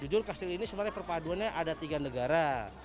jujur kastil ini sebenarnya perpaduannya ada tiga negara